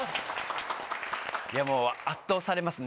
いやもう圧倒されますね